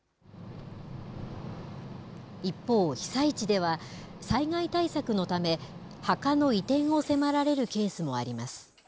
一方、被災地では災害対策のため、墓の移転を迫られるケースもあります。